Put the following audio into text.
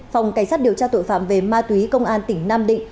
phòng cảnh sát điều tra tội phạm về ma túy công an tỉnh nam định